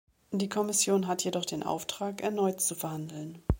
Die Kommission hat jedoch den Auftrag, erneut zu verhandeln.